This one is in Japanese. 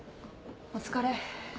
お疲れ。